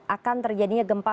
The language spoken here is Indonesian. akan terjadinya gempa